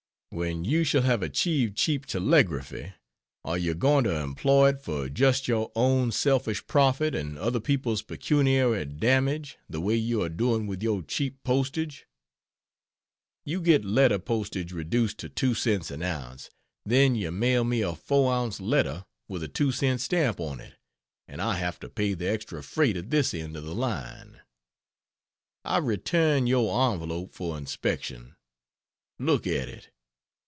When you shall have achieved cheap telegraphy, are you going to employ it for just your own selfish profit and other people's pecuniary damage, the way you are doing with your cheap postage? You get letter postage reduced to 2 cents an ounce, then you mail me a 4 ounce letter with a 2 cent stamp on it, and I have to pay the extra freight at this end of the line. I return your envelope for inspection. Look at it.